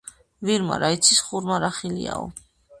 ვირმა რა იცის, ხურმა რა ხილიაო